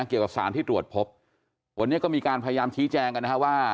เกี่ยวกับสารที่ตรวจพบวันนี้ก็มีการพยายามชี้แจงกันนะฮะว่า